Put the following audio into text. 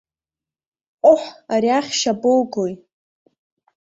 Ҟоҳ, ари ахьшь абоугои?